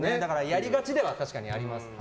やりがちでは確かにありますね。